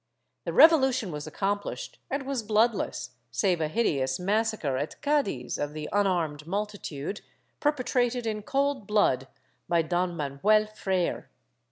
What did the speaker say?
The revolution was accomplished and was bloodless, save a hideous massacre at Cadiz of the unarmed multitude, perpetrated in cold blood by Don Manuel Freyre.